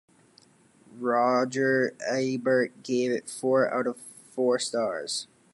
Roger Ebert gave it four out of four stars.